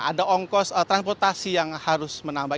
ada ongkos transportasi yang harus menambah